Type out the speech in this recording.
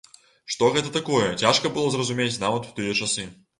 Што гэта такое, цяжка было зразумець нават у тыя часы.